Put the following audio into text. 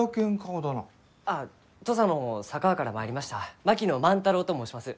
あ土佐の佐川から参りました槙野万太郎と申します。